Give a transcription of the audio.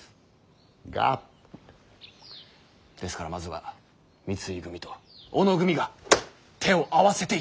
ですからまずは三井組と小野組が手を合わせていただきたい。